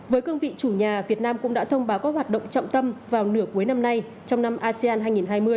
với cương vị chủ nhà việt nam cũng đã thông báo các hoạt động trọng tâm vào nửa cuối năm nay trong năm asean hai nghìn hai mươi